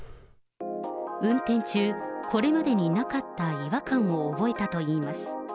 運転中、これまでになかった違和感を覚えたといいます。